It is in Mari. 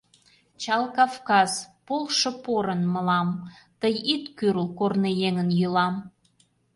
Чал Кавказ, полшо порын мылам, Тый ит кӱрл корныеҥын йӱлам.